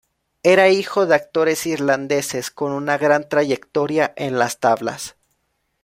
Era hijo de actores irlandeses con una gran trayectoria en las tablas.